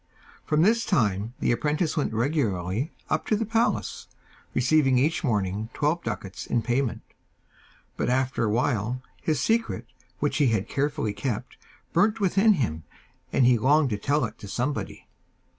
From this time the apprentice went regularly up to the palace, receiving each morning twelve ducats in payment. But after a while, his secret, which he had carefully kept, burnt within him, and he longed to tell it to somebody.